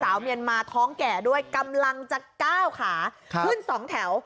เมียนมาท้องแก่ด้วยกำลังจะก้าวขาขึ้นสองแถว